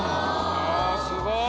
あっすごい。